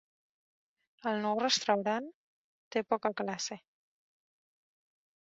El nou restaurant té poca classe.